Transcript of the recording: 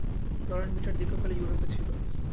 নরেন মিটার দীর্ঘকাল য়ুরোপে ছিল।